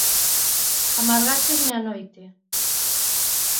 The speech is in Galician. Amargáchesme a noite.